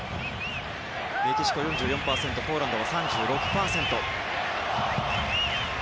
メキシコ、４４％ポーランド、３６％。